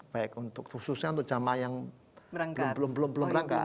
baik untuk khususnya untuk jamaah yang belum merangkak